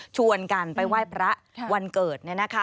ชวนกันไปไหว้พระวันเกิด